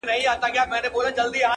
o خو د درد اصل حل نه مومي او پاتې,